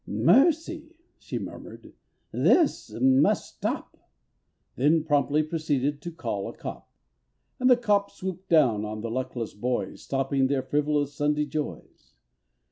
"Mercy!" she murmured, "this must stop!" Then promptly proceeded to call a cop; And the cop swooped down on the luckless boys, Stopping their frivolous Sunday joys.